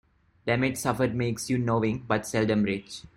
Damage suffered makes you knowing, but seldom rich.